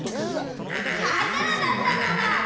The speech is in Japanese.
かいがらだったのだ。